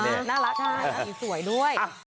น่ารักใช่สวยด้วย